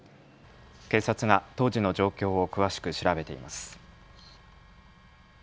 警察が当時の状況を詳しく調べています。